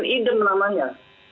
nibbles in eden namanya